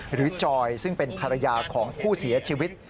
จอยซึ่งเป็นภรรยาของผู้เสียชีวิต